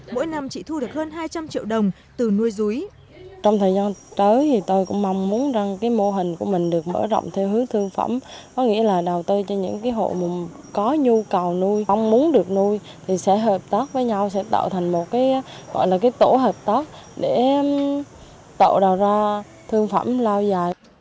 mỗi năm chị thu được hơn hai trăm linh triệu đồng từ nuôi rúi